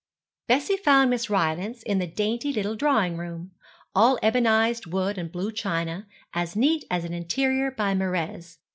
Bessie found Miss Rylance in the dainty little drawing room, all ebonized wood and blue china, as neat as an interior by Mieris.